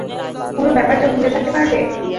পুরো ব্যাপারটা ভুলে থাকতে পারবে।